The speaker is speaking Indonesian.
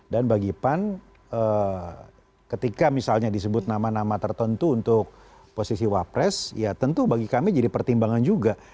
dan bagi pan ketika misalnya disebut nama nama tertentu untuk posisi wapres ya tentu bagi kami jadi pertimbangan juga